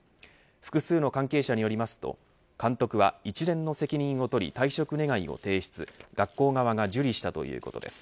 複数の関係者によりますと監督は一連の責任を取り退職願を提出学校側が受理したということです。